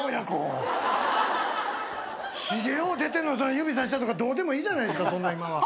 茂王出てんのに指さしたとかどうでもいいじゃないですか今は。